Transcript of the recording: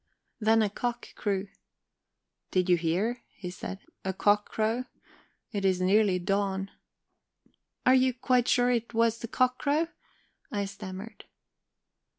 Then a cock crew. "'Did you hear,' he said, 'a cock crow? It is nearly dawn.' "'Are you quite sure it was the cock crow?' I stammered.